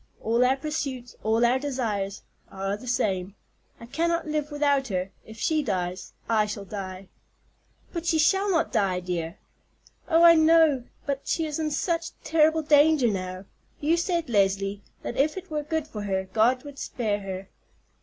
All our pursuits, all our desires, are the same. I cannot live without her. If she dies I shall die." "But she shall not die, dear!" "Oh, I know, but she is in such terrible danger now. You said, Leslie, that if it were good for her, God would spare her."